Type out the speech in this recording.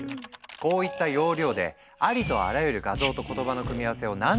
こういった要領でありとあらゆる画像と言葉の組み合わせを何十億と学習させた。